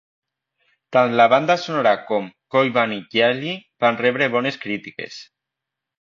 Tant la banda sonora com "Coi Vanni Gialli" van rebre bones crítiques.